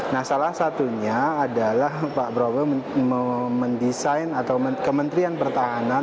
nah salah satunya adalah pak prabowo mendesain atau kementerian pertahanan